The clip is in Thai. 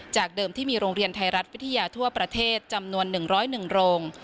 เดิมที่มีโรงเรียนไทยรัฐวิทยาทั่วประเทศจำนวน๑๐๑โรง